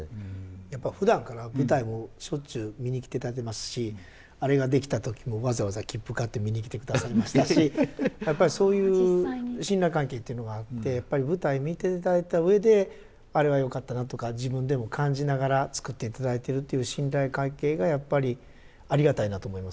やっぱりふだんから舞台をしょっちゅう見に来ていただいてますしあれが出来た時もわざわざ切符買って見に来てくださいましたしやっぱりそういう信頼関係っていうのがあってやっぱり舞台見ていただいた上で「あれがよかったな」とか自分でも感じながら作っていただいてるっていう信頼関係がやっぱりありがたいなと思います